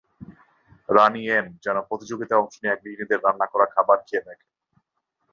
রানি yen yen প্রতিযোগিতায় অংশ নেওয়া গৃহিণীদের রান্না করা খাবার খেয়ে দেখেন।